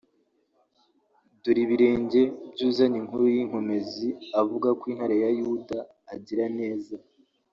Dore ibirenge by’uzanye inkuru y’inkomezi avuga ko intare ya Yuda agira neza